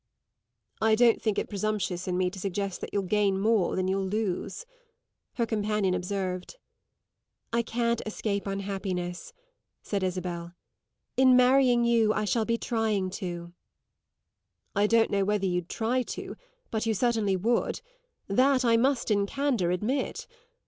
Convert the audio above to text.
"I don't think it presumptuous in me to suggest that you'll gain more than you'll lose," her companion observed. "I can't escape unhappiness," said Isabel. "In marrying you I shall be trying to." "I don't know whether you'd try to, but you certainly would: that I must in candour admit!"